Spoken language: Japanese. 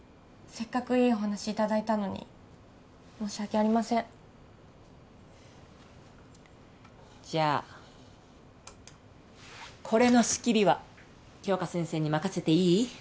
せっかくいいお話いただいたのに申し訳ありませんじゃあこれの仕切りは杏花先生に任せていい？